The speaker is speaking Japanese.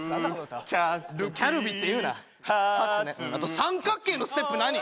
三角形のステップ何？